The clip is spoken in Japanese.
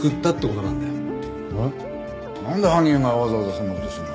えっなんで犯人がわざわざそんな事するんだよ？